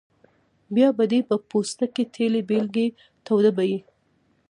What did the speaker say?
بیا به دې په پوستکي تیلی بلېږي توده به یې.